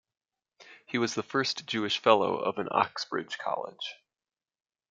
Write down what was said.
He was the first Jewish fellow of an Oxbridge college.